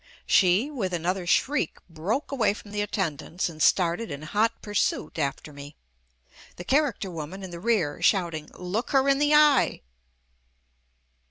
She, with an other shriek, broke away from the attendants and started in hot pursuit after me — the char acter woman in the rear shouting, "Look her in the eye."